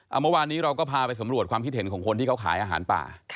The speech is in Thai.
เมื่อวานนี้เราก็พาไปสำรวจความคิดเห็นของคนที่เขาขายอาหารป่า